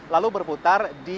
lalu berputar di